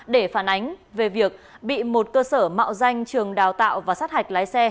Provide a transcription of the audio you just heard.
để phản ánh về việc bị một cơ sở mạo danh trường đào tạo và sát hạch lái xe